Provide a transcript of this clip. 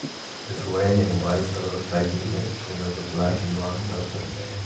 a gray and white puddle fighting next to another black and brown dog on a bed